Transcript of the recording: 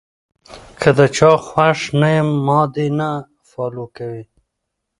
کۀ د چا خوښ نۀ يم ما دې نۀ فالو کوي -